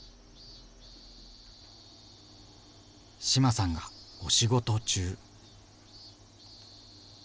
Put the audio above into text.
志麻さんがお仕事中。